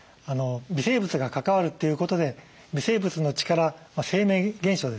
微生物が関わるということで微生物の力生命現象ですね。